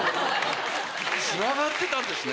つながってたんですね。